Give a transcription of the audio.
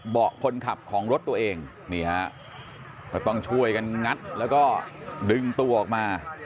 เบาะคนขับของรถตัวเองนี่ฮะก็ต้องช่วยกันงัดแล้วก็ดึงตัวออกมา